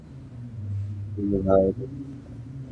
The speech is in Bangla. গুরু ভাই, নমস্কার!